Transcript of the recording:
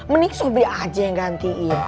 mending sobek aja yang gantiin